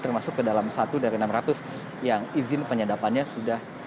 termasuk ke dalam satu dari enam ratus yang izin penyadapannya sudah